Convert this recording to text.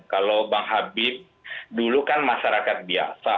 kalau bang habib dulu kan masyarakat biasa